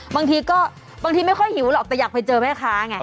บางทีก็บางทีไม่ค่อยหิวหรอกแต่อยากไปเจอแม่ค้าไง